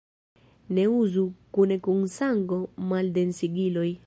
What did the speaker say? Ne uzu kune kun sango-maldensigiloj.